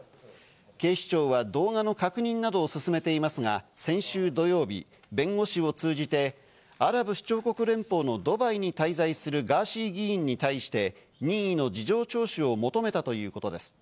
警視庁は動画の確認などを進めていますが先週土曜日、弁護士を通じてアラブ首長国連邦のドバイに滞在するガーシー議員に対して、任意の事情聴取を求めたということです。